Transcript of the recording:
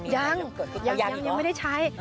ยังยังไม่ได้ใช้